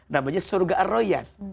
namanya surga ar royan